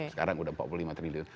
sekarang sudah empat puluh lima triliun